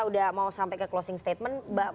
udah mau sampai ke closing statement